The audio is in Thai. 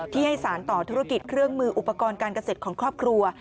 ที่ให้สารต่อธุรกิจเครื่องมืออุปกรณ์การเกษตรของครอบครัว